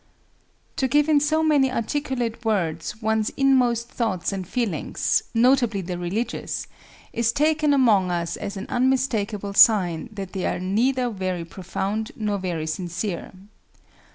To give in so many articulate words one's inmost thoughts and feelings—notably the religious—is taken among us as an unmistakable sign that they are neither very profound nor very sincere.